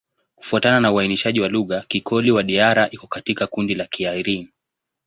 Kufuatana na uainishaji wa lugha, Kikoli-Wadiyara iko katika kundi la Kiaryan.